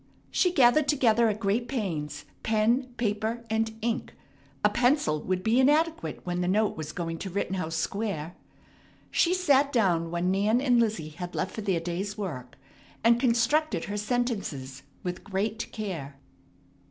She gathered together at great pains pen, paper, and ink. A pencil would be inadequate when the note was going to Rittenhouse Square. She sat down when Nan and Lizzie had left for their day's work, and constructed her sentences with great care.